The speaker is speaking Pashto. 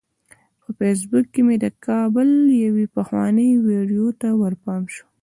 په فیسبوک کې مې د کابل یوې پخوانۍ ویډیو ته ورپام شو.